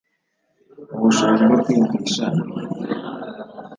ubushobozi bwo kwiyumvisha ibintu